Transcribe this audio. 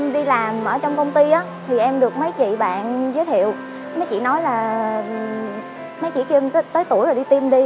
khi làm ở trong công ty thì em được mấy chị bạn giới thiệu mấy chị nói là mấy chị kêu em tới tuổi rồi đi tiêm đi